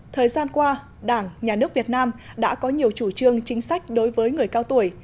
thời gian qua đảng nhà nước việt nam đã có nhiều chủ trương chính sách đối với người cao tuổi